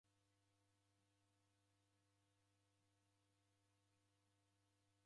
W'eke w'aw'a w'eka na mizi yaw'o Mlechi.